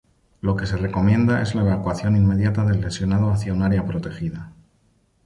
Lo que se recomienda es la evacuación inmediata del lesionado hacia un área protegida.